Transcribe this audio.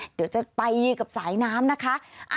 เดี๋ยวจะไปกับสายน้ำนะคะ